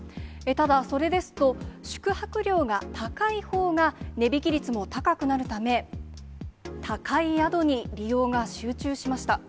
ただ、それですと、宿泊料が高いほうが値引き率も高くなるため、高い宿に利用が集中しました。